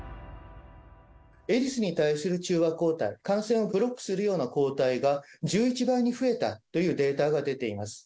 エリスに対する中和抗体、感染をブロックするような抗体が、１１倍に増えたというデータが出ています。